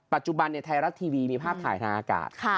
ปัจจุบันไทยรัฐทีวีมีภาพถ่ายทางอากาศ